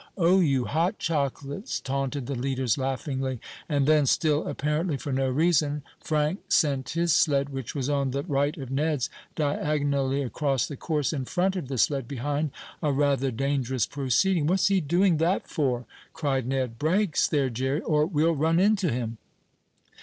"Oh you hot chocolates!" taunted the leaders, laughingly. And then, still apparently for no reason, Frank sent his sled, which was on the right of Ned's, diagonally across the course, in front of the sled behind, a rather dangerous proceeding. "What's he doing that for?" cried Ned. "Brakes there, Jerry, or we'll run into him!"